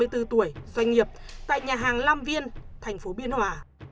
ba mươi bốn tuổi doanh nghiệp tại nhà hàng lam viên thành phố biên hòa